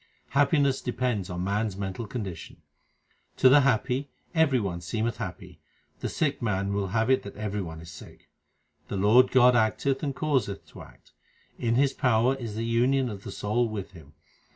Happiness depends on man s mental condition : To the happy every one seemeth happy ; the sick man will have it that every one is sick. The Lord God acteth and causeth to act ; in His power is the union of the soul with Him.